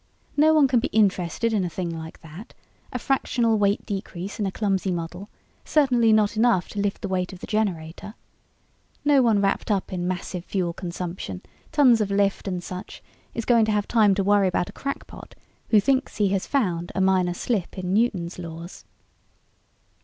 No one can be interested in a thing like that a fractional weight decrease in a clumsy model, certainly not enough to lift the weight of the generator. No one wrapped up in massive fuel consumption, tons of lift and such is going to have time to worry about a crackpot who thinks he has found a minor slip in Newton's laws."